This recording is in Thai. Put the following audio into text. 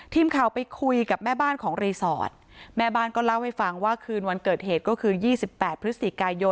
ทีมข่าวไปคุยกับแม่บ้านของรีสอร์ทแม่บ้านก็เล่าให้ฟังว่าคืนวันเกิดเหตุก็คือ๒๘พฤศจิกายน